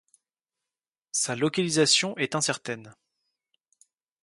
Sa localisation est incertaine.